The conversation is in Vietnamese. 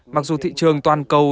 mặc dù thị trường toàn cầu